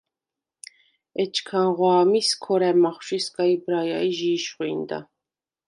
ეჩქანღვ’ ა̄მის ქორა̈ მახვში სგა იბრაჲა ი ჟი იშხვინდა.